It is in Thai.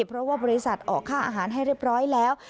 เพราะว่าบริษัทออกค่าอาหารให้เรียบร้อยแล้ว